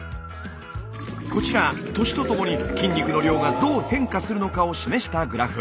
こちら年とともに筋肉の量がどう変化するのかを示したグラフ。